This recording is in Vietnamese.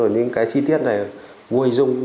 những cái chi tiết này vui dung